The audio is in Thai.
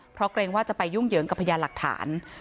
เพราะเกรงว่าจะไปยุ่งเหยิงกับพยานหลักฐาน